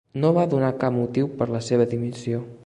No va donar cap motiu per la seva dimissió.